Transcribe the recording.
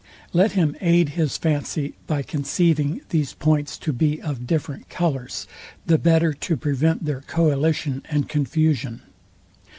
Let him aid his fancy by conceiving these points to be of different colours, the better to prevent their coalition and confusion.